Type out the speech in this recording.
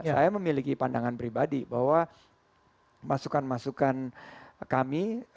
saya memiliki pandangan pribadi bahwa masukan masukan kami